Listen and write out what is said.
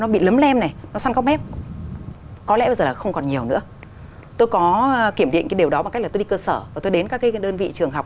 bằng cách là tôi đi cơ sở và tôi đến các đơn vị trường học